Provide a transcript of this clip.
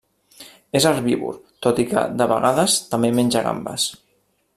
És herbívor, tot i que, de vegades, també menja gambes.